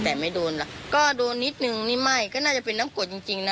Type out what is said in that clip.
แต่ไม่โดนล่ะก็โดนนิดนึงนี่ไม่ก็น่าจะเป็นน้ำกรดจริงจริงนะ